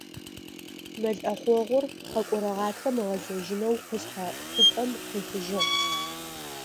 Мэл ӏэхъогъур къэкӏорэ гъатхэм ыгъэзэжьынэу къушъхьэ хъупӏэм къехыжьыгъ.